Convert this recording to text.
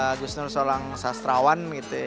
agus nur seorang sastrawan